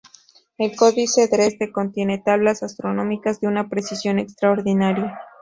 El Códice Dresde contiene tablas astronómicas de una precisión extraordinaria.